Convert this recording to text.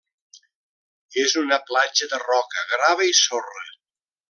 És una platja de roca, grava i sorra.